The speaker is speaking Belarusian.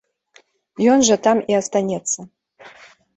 Ён жа там і астанецца.